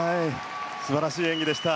素晴らしい演技でした。